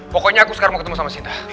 pokoknya aku sekarang mau ketemu sama sina